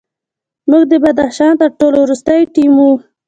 موږ د بدخشان تر ټولو وروستی ټیم وو.